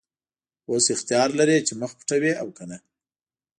اوس اختیار لرې چې مخ پټوې او که نه.